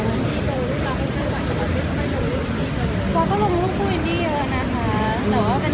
มีความสุขในชีวิตก็จบเลย